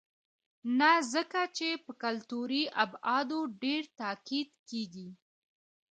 نه ځکه چې پر کلتوري ابعادو ډېر تاکید کېږي.